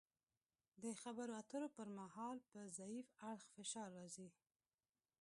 د خبرو اترو پر مهال په ضعیف اړخ فشار راځي